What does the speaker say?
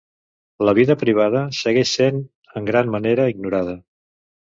La vida privada segueix sent en gran manera ignorada.